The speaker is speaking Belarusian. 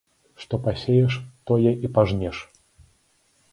Што пасееш, тое і пажнеш